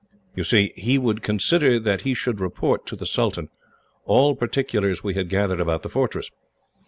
"You see, he would consider that we should report, to the sultan, all particulars we had gathered about the fortress.